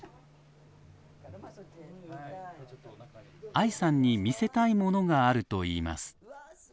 愛さんに見せたいものがあるといいます。